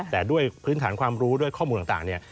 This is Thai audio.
แต่ด้วยพื้นฐานความรู้ด้วยข้อมูลต่างเนี่ย